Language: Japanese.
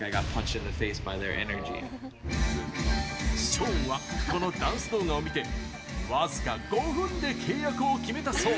ショーンはこのダンス動画を見て僅か５分で契約を決めたそう。